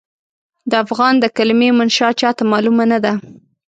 د افغان د کلمې منشا چاته معلومه نه ده.